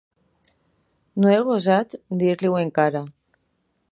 No he gosat dir-li-ho encara.